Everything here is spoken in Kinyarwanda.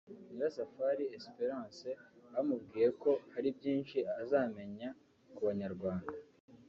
Nyirasafari Esperence bamubwiye ko hari byinshi azamenya ku Banyarwanda